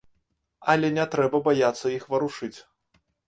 Але не трэба баяцца іх варушыць.